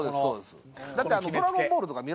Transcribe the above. だって。